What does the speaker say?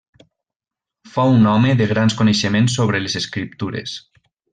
Fou un home de grans coneixements sobre les Escriptures.